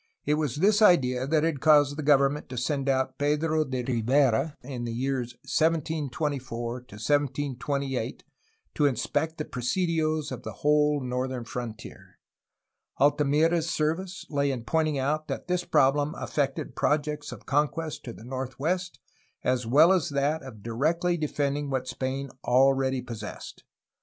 It was this idea that had caused the government to send out Pedro de Rivera in the years 1724 to 1728 to inspect the presidios of the whole northern frontier. Altamira^s service lay in poiating out that this problem affected projects of conquest to the northwest as well as that of directly defending what Spain already possessed.